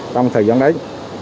trong thời gian đấy